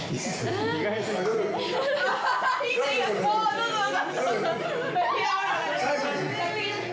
どうぞどうぞ。